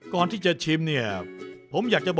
ก่อนที่จะชิมเนี่ย